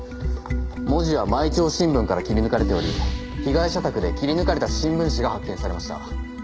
文字は『毎朝新聞』から切り抜かれており被害者宅で切り抜かれた新聞紙が発見されました。